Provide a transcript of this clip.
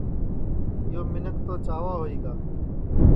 یو منکھ توچاوا ہوئی گا